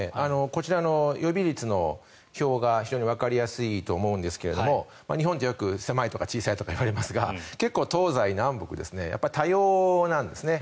こちらの予備率の表が非常にわかりやすいと思いますが日本ってよく狭いとか小さいとか言われますが結構、東西南北多様なんですね。